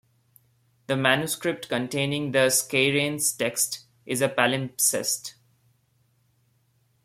The manuscript containing the Skeireins text is a palimpsest.